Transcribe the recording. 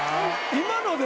今ので？